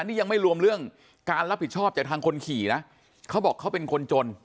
นี่ยังไม่รวมเรื่องการรับผิดชอบจากทางคนขี่นะเขาบอกเขาเป็นคนจน